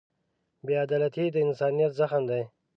بېعدالتي د انسانیت زخم دی.